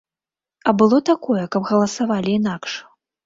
А было такое, каб галасавалі інакш?